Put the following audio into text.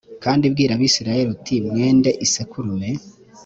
kandi bwira abisirayeli uti mwende isekurume